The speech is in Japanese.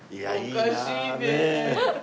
おかしいねえ。